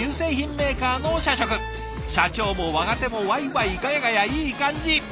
社長も若手もわいわいガヤガヤいい感じ。